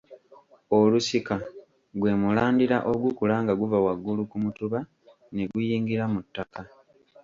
Olusika gwe mulandira ogukula nga guva waggulu ku mutuba ne guyingira mu ttaka.